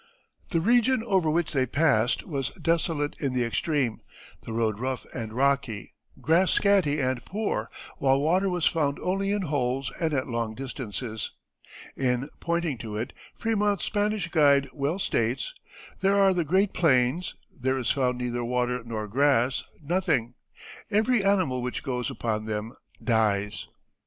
The region over which they passed was desolate in the extreme, the road rough and rocky, grass scanty and poor, while water was found only in holes and at long distances, In pointing to it, Frémont's Spanish guide well states: "There are the great plains; there is found neither water nor grass nothing; every animal which goes upon them dies."